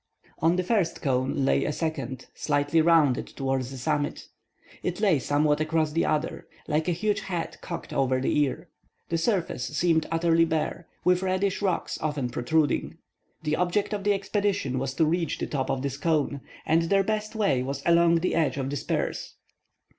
On the first cone lay a second, slightly rounded towards the summit. It lay somewhat across the other, like a huge hat cocked over the ear. The surface seemed utterly bare, with reddish rocks often protruding. The object of the expedition was to reach the top of this cone, and their best way was along the edge of the spurs.